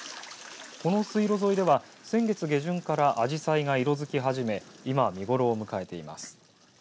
この水路沿いでは先月下旬からアジサイが色づき始め今、見頃を迎えています。